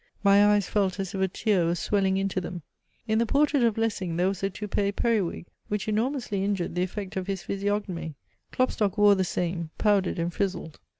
My eyes felt as if a tear were swelling into them. In the portrait of Lessing there was a toupee periwig, which enormously injured the effect of his physiognomy Klopstock wore the same, powdered and frizzled.